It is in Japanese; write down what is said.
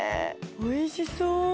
おいしそう！